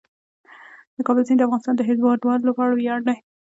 د کابل سیند د افغانستان د هیوادوالو لپاره ویاړ دی.